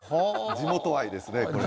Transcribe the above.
地元愛ですね。